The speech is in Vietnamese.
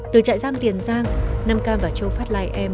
từ trại giam tiền giang nam cam và châu phát lai em